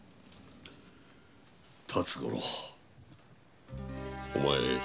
辰五郎お前